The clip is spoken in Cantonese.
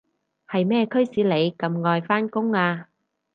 係咩驅使你咁愛返工啊？